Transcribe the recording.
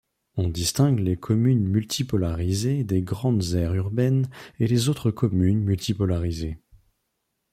On distingue les communes multipolarisées des grandes aires urbaines et les autres communes multipolarisées.